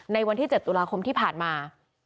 วันที่๗ตุลาคมที่ผ่านมา